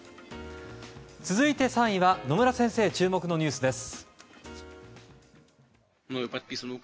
続いて３位は野村先生、注目のニュースです。